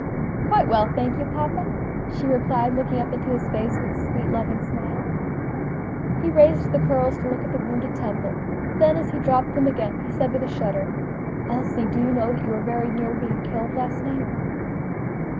"Quite well, thank you, papa," she replied, looking up into his face with a sweet, loving smile. He raised the curls to look at the wounded temple; then, as he dropped them again, he said, with a shudder, "Elsie, do you know that you were very near being killed last night?"